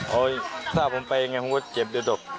เอาทราบผมไปยังไงผมก็เจ็บเดียวดก